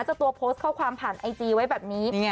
เจ้าตัวโพสต์ข้อความผ่านไอจีไว้แบบนี้